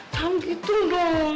canggih tuh bang